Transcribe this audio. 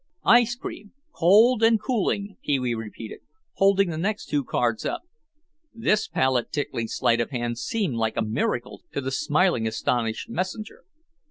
ICE CREAM ⇽ COLD AND COOLING Pee wee repeated, holding the next two cards up. This palate tickling sleight of hand seemed like a miracle to the smiling, astonished messenger.